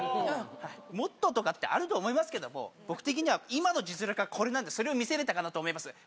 「もっと」とかってあると思いますけども僕的には今の実力はこれなのでそれを見せれたかなと思います。